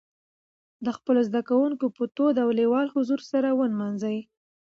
د خپلو زدهکوونکو په تود او لېوال حضور سره ونمانځلي.